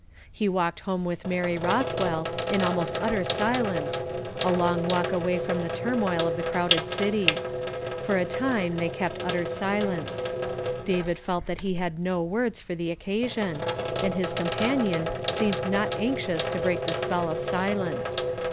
He walked home with Mary Kothwell in almost utter silenee, a long walk away from the turmoil of the crowded city. For a time they kept utter silence. David felt that he had no words for the occasion, and his companion seemed not anxious to break the spell of silence.